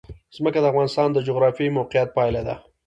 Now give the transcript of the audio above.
ځمکه د افغانستان د جغرافیایي موقیعت پایله ده.